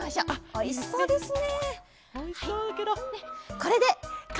おいしそうですね。